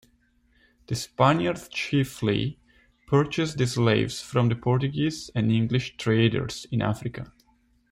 The Spaniards chiefly purchased the slaves from the Portuguese and English traders in Africa.